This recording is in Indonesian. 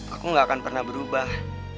aku gak akan pernah berubah